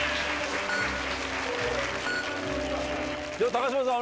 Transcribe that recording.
高嶋さん